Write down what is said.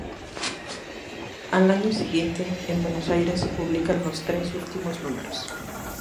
Al año siguiente, en Buenos Aires, se publican los tres últimos números.